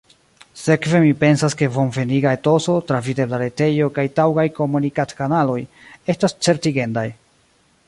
Sekve mi pensas ke bonveniga etoso, travidebla retejo kaj taŭgaj komunikadkanaloj estas certigendaj.